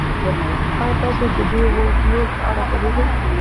ایا تاسي د دې ویډیو په اړه پوهېږئ؟